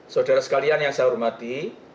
saudara sekalian yang saya hormati